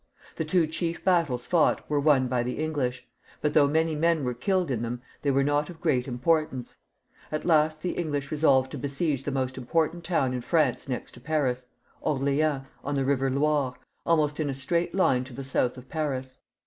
The two chief battles fought were won by the English; but though many men were killed in them, they were not of great import ance. At last the English resolved to besiege the most important town in France next to Paris — Orleans, on the river Loire, almost in a straight line to the south of Paris.